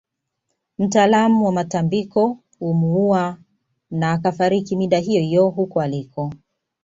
Mtaalamu wa matambiko humuuwana akafariki mida hiyohiyo huko aliko